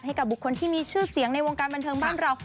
ให้กับบุคคลที่มีชื่อเสียงในวงการบันเทิงบ้านเรา